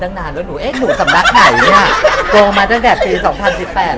ให้โกงมานานแล้วหนูสำนักไหนโกงมาตั้งแต่ปี๒๐๑๘แล้วลุง